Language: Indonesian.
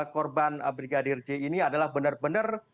korban brigadir j ini adalah benar benar